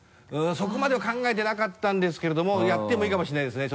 そこまでは考えてなかったんですけれどもやってもいいかもしれないですね